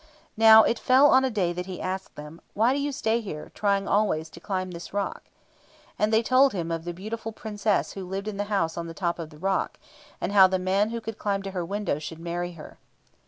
Now, it fell on a day that he asked them, "Why do you stay here, trying always to climb this rock?" And they told him of the beautiful Princess who lived in the house on the top of the rock, and how the man who could climb to her window should marry her.